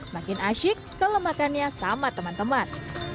makin asyik kelemakannya sama teman teman